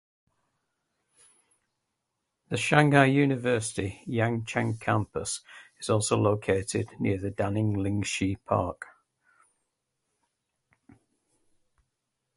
The Shanghai University, Yanchang Campus is also located near the Daning Lingshi Park.